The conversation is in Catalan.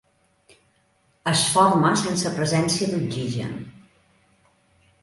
Es forma sense presència d'oxigen.